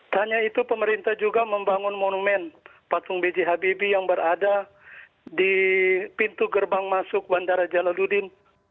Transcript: hanya itu pemerintah juga membangun monumen patung biji habibie yang berada di pintu gerbang masuk bandara jalaluddin